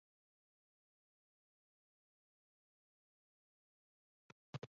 ধনী ব্যক্তিরা, যাঁরা ছিলেন জাফরান চাষের পৃষ্ঠপোষক, তারা এরপর চকোলেট, কফি, চা, ভ্যানিলা নিয়ে মেতে ওঠেন।